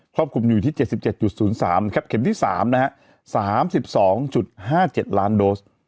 รอบคลุมอยู่ที่๗๗๐๓ครับเข็มที่๓นะฮะ๓๒๕๗ล้านโดส